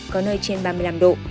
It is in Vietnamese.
có nơi trên ba mươi năm độ